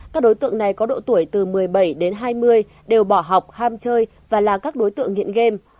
các đối tượng này có độ tuổi từ một mươi bảy đến hai mươi đều bỏ học ham chơi và là các đối tượng nghiện game